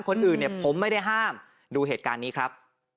คนอื่นเนี่ยผมไม่ได้ห้ามดูเหตุการณ์นี้ครับ